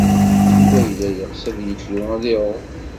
Yuba yella yeɣs ad yeddu ad iɛum.